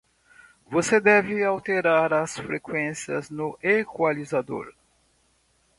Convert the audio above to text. você deve alterar as frequências no equalizador